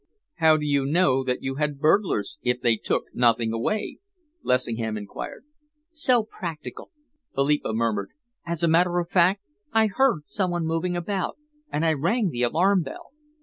"How do you know that you had burglars, if they took nothing away?" Lessingham enquired. "So practical!" Philippa murmured. "As a matter of fact, I heard some one moving about, and I rang the alarm bell.